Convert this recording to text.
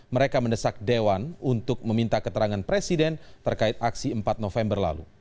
mereka mendesak dewan untuk meminta keterangan presiden terkait aksi empat november lalu